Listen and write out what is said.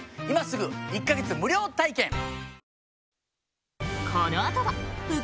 今すぐ１か月無料体験！